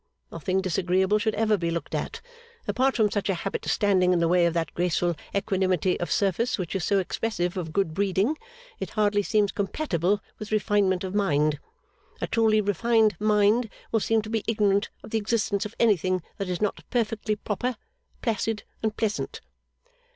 Nothing disagreeable should ever be looked at. Apart from such a habit standing in the way of that graceful equanimity of surface which is so expressive of good breeding, it hardly seems compatible with refinement of mind. A truly refined mind will seem to be ignorant of the existence of anything that is not perfectly proper, placid, and pleasant.